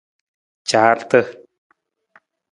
Caarata.